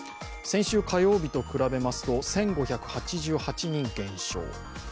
先週火曜日と比べますと１５８８人減少。